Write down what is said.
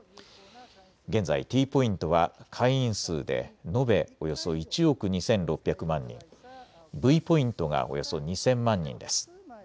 現在、Ｔポイントは会員数で延べおよそ１億２６００万人、Ｖポイントがおよそ２０００万人です。